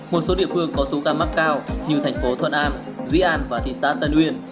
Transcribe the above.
một số địa phương có số ca mắc cao như thành phố thuận an dĩ an và thị xã tân uyên